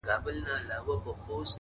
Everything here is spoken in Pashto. مار دي په لستوڼي کي آدم ته ور وستلی دی٫